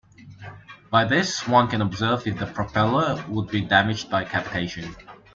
By this, one can observe if the propeller would be damaged by cavitation.